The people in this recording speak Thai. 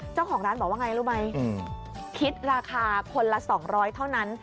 เจ้าของร้านบอกว่าไงรู้ไหมคิดราคาคนละ๒๐๐เท่านั้น